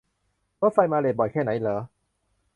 รถไฟมาเลทบ่อยแค่ไหนหรอ